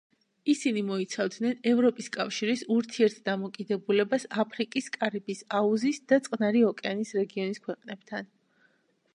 ისინი მოიცავდნენ ევროპის კავშირის ურთიერთდამოკიდებულებას აფრიკის, კარიბის აუზის და წყნარი ოკეანის რეგიონის ქვეყნებთან.